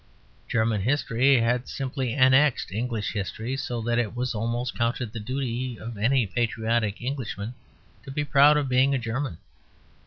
German history had simply annexed English history, so that it was almost counted the duty of any patriotic Englishman to be proud of being a German.